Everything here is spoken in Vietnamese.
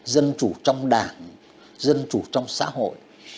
dân chủ trong đảng dân chủ trong xã hội